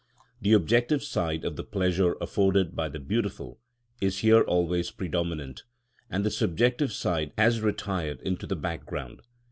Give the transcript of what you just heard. The objective side of the pleasure afforded by the beautiful is here always predominant, and the subjective side has retired into the background.